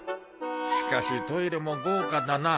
しかしトイレも豪華だな。